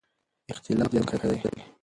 اختلاف زیاتېدونکی دی.